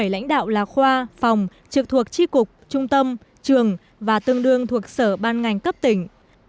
một mươi lãnh đạo là khoa phòng trực thuộc tri cục trung tâm trường và tương đương thuộc sở ban ngành cấp tỉnh